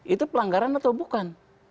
itu pelanggaran atau bukan